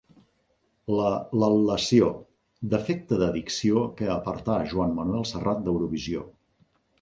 La lal·lació: defecte de dicció que apartà Joan Manuel Serrat d'Eurovisió.